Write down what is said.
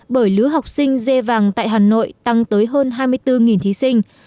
bởi lứa học sinh dê vàng tại hà nội tăng tới hơn hai mươi bốn thí sinh